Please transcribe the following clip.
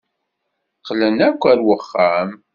Qqlen akk ar wexxam.